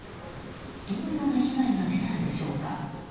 どのような被害が出たのでしょうか。